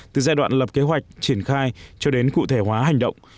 từ giai đoạn lập kế hoạch triển khai cho đến cụ thể hóa hành động